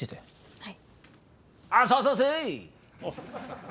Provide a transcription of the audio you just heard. はい！